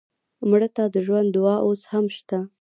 مړه ته د ژوند دعا اوس هم شته